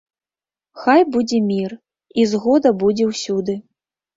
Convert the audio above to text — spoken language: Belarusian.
Хай будзе мір, і згода будзе ўсюды.